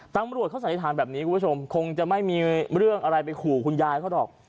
จำอวัดเขาสัยทิศธานแบบนี้กูกูชมคงจะไม่มีเรื่องอะไรไปขู่คุณยายเค้าหรอก